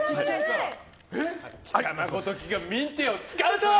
貴様ごときがミンティアを使うとは！